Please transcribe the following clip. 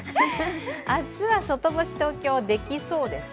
明日は外干し、東京できそうですか？